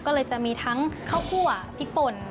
ก็เลยจะมีทั้งข้าวคั่วพริกป่น